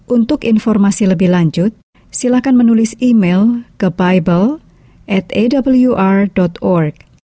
untuk informasi lebih lanjut silahkan menulis email ke bible atawr org